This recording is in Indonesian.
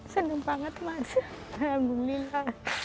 senang banget mas alhamdulillah